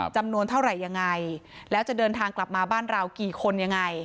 จำนวนเท่าไหร่ยังไงแล้วจะเดินทางกลับมาบ้านเรากี่คนยังไง